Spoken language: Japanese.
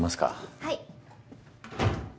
・はい。